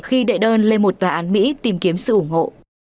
khi đệ đơn lên một tòa án mỹ tìm kiếm sự ủng hộ